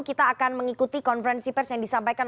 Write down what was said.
kita akan mengikuti konferensi pers yang disampaikan